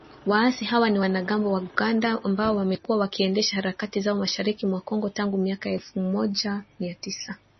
waasi hawa ni wanamgambo wa Uganda ambao wamekuwa wakiendesha harakati zao mashariki mwa Kongo tangu miaka ya elfu moja mia tisa